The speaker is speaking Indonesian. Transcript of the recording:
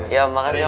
ya makasih om